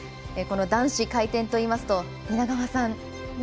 この男子回転といいますと皆川さん